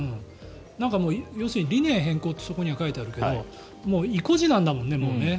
要するに理念偏向ってそこには書いてあるけどもう意固地なんだもんね。